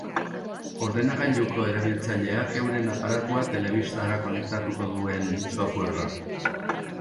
Ordenagailuko erabiltzaileak euren aparatua telebistara konektatuko duen softwarea.